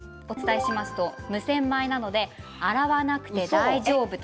正解をお伝えしますと無洗米なので洗わなくて大丈夫と。